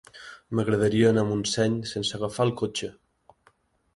M'agradaria anar a Montseny sense agafar el cotxe.